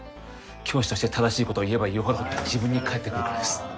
教師として正しいことを言えば言うほど自分に返ってくるからです